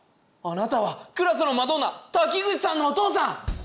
あなたはクラスのマドンナ滝口さんのお父さん！